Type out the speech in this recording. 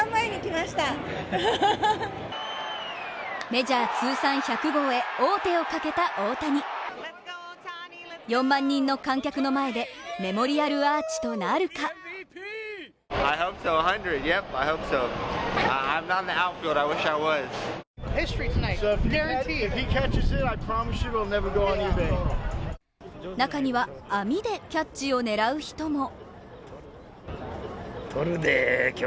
メジャー通算１００号へ王手をかけた大谷４万人の観客の前でメモリアルアーチとなるか中には網でキャッチを狙う人も。